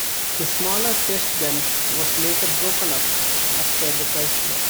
The smaller test gun was later broken up after the Gulf War.